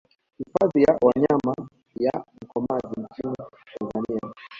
Hifadhi ya wanyama ya Mkomazi nchini Tanzania